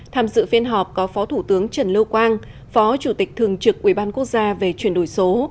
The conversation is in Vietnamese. tham dự phiên họp có phó thủ tướng trần lâu quang phó chủ tịch thường trực quỹ ban quốc gia về chuyển đổi số